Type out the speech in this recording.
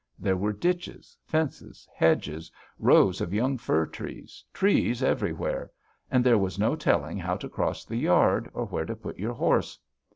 There were ditches, fences, hedges, rows of young fir trees, trees everywhere, and there was no telling how to cross the yard or where to put your horse.